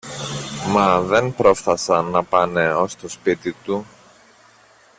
Μα δεν πρόφθασαν να πάνε ως το σπίτι του